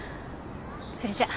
それじゃ。